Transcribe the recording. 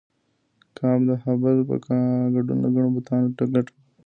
کعبه د هبل په ګډون له ګڼو بتانو ډکه وه.